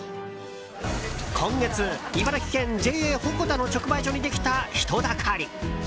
今月、茨城県ＪＡほこたの直売所にできた人だかり。